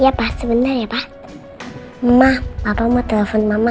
iya pak sebentar ya pak mama papa mau telepon mama